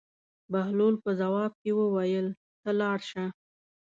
بهلول په ځواب کې وویل: ته لاړ شه.